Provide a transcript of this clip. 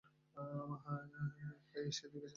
প্রায় এসেই গেছি।